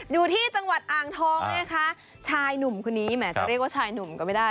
อยู่ที่จังหวัดอ่างทองนะคะชายหนุ่มคนนี้แหมจะเรียกว่าชายหนุ่มก็ไม่ได้